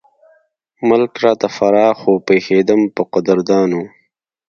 ملک راته فراخ وو پېښېدم پۀ قدردانو